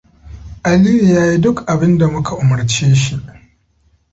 Aliyu yayi duk abinda muka umarce shi.